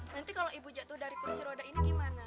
nanti kalau ibu jatuh dari kursi roda ini gimana